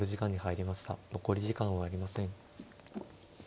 残り時間はありません。